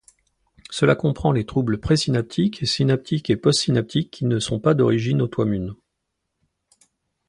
Cela comprend les troubles pré-synaptiques, synaptiques et post-synaptiques qui ne sont pas d'origine autoimmune.